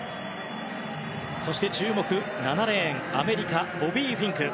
そして、注目の７レーンアメリカ、ボビー・フィンク。